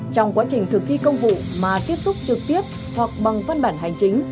trong quá trình thực thi công vụ mà tiếp xúc trực tiếp hoặc bằng văn bản hành chính